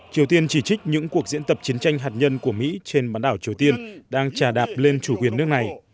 triều tiên chỉ trích những cuộc diễn tập chiến tranh hạt nhân của mỹ trên bán đảo triều tiên đang trà đạp lên chủ quyền nước này